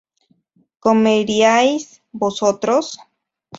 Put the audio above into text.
¿comeríais vosotros?